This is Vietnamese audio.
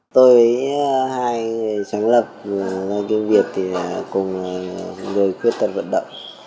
tôi với hai người sáng lập doanh nghiệp việt cùng người khuyết tật vận động